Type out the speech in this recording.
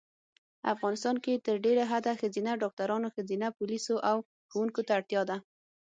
افغانیستان کې تر ډېره حده ښځېنه ډاکټرانو ښځېنه پولیسو او ښوونکو ته اړتیا ده